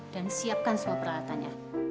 dan siapkan semua peralatannya